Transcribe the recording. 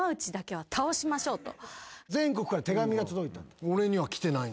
全国から手紙が届いた。